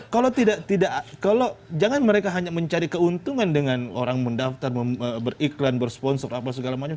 kalau tidak kalau jangan mereka hanya mencari keuntungan dengan orang mendaftar beriklan bersponsor apa segala macam